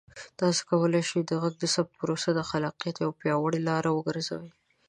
تاسو کولی شئ د غږ ثبتولو پروسه د خلاقیت یوه پیاوړې لاره وګرځوئ.